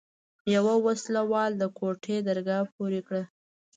يوه وسله وال د کوټې درګاه پورې کړه.